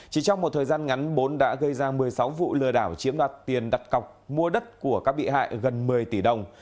chỉ trong một thời gian ngắn bốn đã gây ra một mươi sáu vụ lừa đảo chiếm đoạt tiền đặt cọc mua đất của các bị hại gần một mươi tỷ đồng